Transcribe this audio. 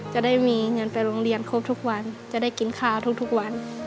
จะได้มีเงินไปโรงเรียนครบทุกวันจะได้กินข้าวทุกวัน